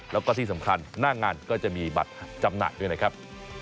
แล้วก็ที่สำคัญหน้างานก็จะมีบัตรจำหน่ายด้วยนะครับ